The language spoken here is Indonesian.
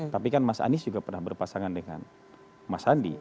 tapi kan mas anies juga pernah berpasangan dengan mas sandi